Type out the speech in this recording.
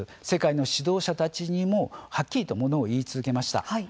世界の指導者たちにも、はっきりとものを言い続けました。